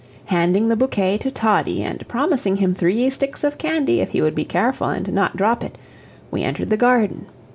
Handing the bouquet to Toddie, and promising him three sticks of candy if he would be careful and not drop it, we entered the garden.